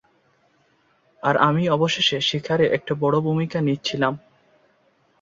আর আমি অবশেষে শিকারে একটা বড় ভূমিকা নিচ্ছিলাম।